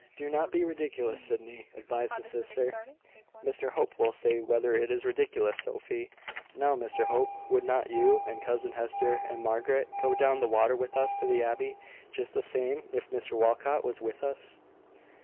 "Do not be ridiculous, Sydney," advised the sister. "Mr Hope will say whether it is ridiculous, Sophy. Now, Mr Hope, would not you, and cousin Hester, and Margaret, go down the water with us to the abbey, just the same if Mr Walcot was with us?"